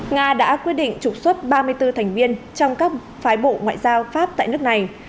nga đã quyết định trục xuất ba mươi bốn thành viên trong các phái bộ ngoại giao pháp tại nước này